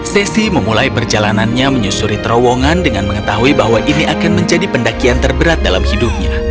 sesi memulai perjalanannya menyusuri terowongan dengan mengetahui bahwa ini akan menjadi pendakian terberat dalam hidupnya